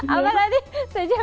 apa tadi saya coba yusi